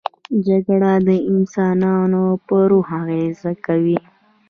جګړه د انسانانو پر روح اغېز کوي